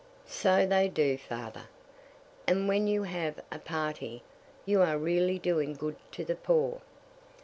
"So they do, father. And when you have a party, you are really doing good to the poor."